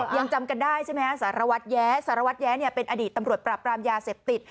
ยังจำกันได้ใช่ไหมฮะสารวัตรแย้สารวัตรแย้เป็นอดีตตำรวจปรับปรามยาเสพติด